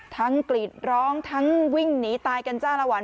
กรีดร้องทั้งวิ่งหนีตายกันจ้าละวัน